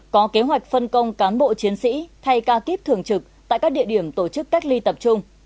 có kế hoạch phân công cán bộ chiến sĩ thay ca kíp thường trực tại các địa điểm tổ chức cách ly tập trung